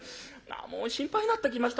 ああもう心配になってきました。